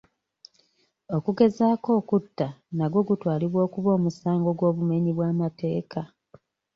Okugezaako okutta nagwo gutwalibwa okuba omusango gw'obumenyi bw'amateeka